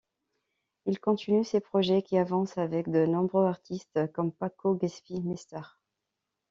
Il continue ses projets qui avancent avec de nombreux artistes comme Paco Gipsy, Mr.